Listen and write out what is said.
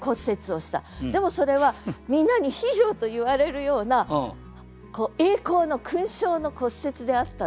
でもそれはみんなにヒーローと言われるような栄光の勲章の骨折であったと。